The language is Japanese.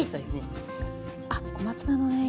あっ小松菜のね